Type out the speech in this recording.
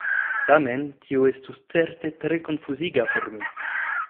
Tamen tio estus certe tre konfuziga por mi!